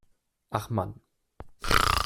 Ach Mann.